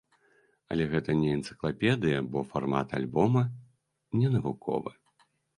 Але гэта не энцыклапедыя, бо фармат альбома не навуковы.